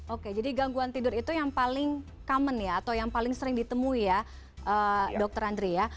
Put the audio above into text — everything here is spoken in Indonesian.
oke jadi gangguan tidur itu yang paling common ya atau yang paling sering ditemui ya dokter andri ya